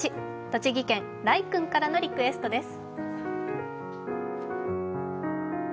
栃木県らいくんからのリクエストです。